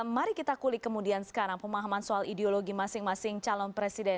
mari kita kulik kemudian sekarang pemahaman soal ideologi masing masing calon presiden